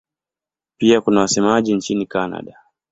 Pia kuna wasemaji nchini Kanada.